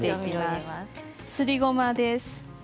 すりごまです。